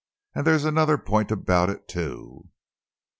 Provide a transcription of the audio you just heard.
"And there's another point about it, too.